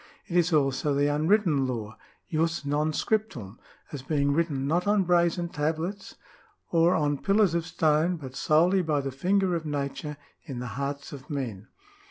It is also the Unwritten Law {jus non scriptum), as being written not on brazen tablets or on pillars of stone, but solely by the finger of nature in the hearts of men.